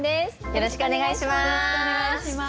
よろしくお願いします。